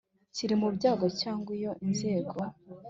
Kiri mu byago cyangwa iyo inzego